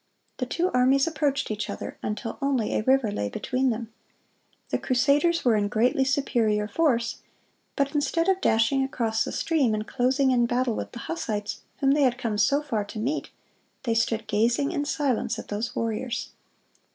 The two armies approached each other, until only a river lay between them. "The crusaders were in greatly superior force, but instead of dashing across the stream, and closing in battle with the Hussites whom they had come so far to meet, they stood gazing in silence at those warriors."